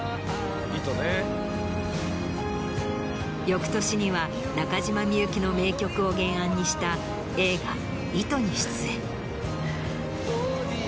翌年には中島みゆきの名曲を原案にした映画『糸』に出演。